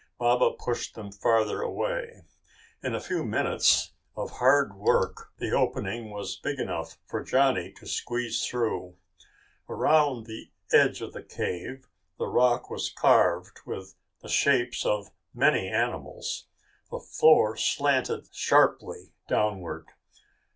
Baba pushed them farther away. In a few minutes of hard work the opening was big enough for Johnny to squeeze through. Around the edge of the cave, the rock was carved with the shapes of many animals. The floor slanted sharply downward.